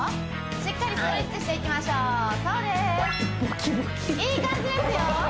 しっかりストレッチしていきましょうそうですいい感じですよ